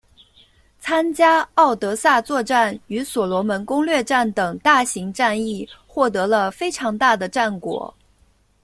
参加敖德萨作战与所罗门攻略战等大型战役获得了非常大的战果。